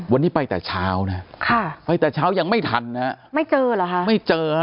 วันนี้ไปแต่เช้านะค่ะไปแต่เช้ายังไม่ทันนะฮะไม่เจอเหรอฮะไม่เจอฮะ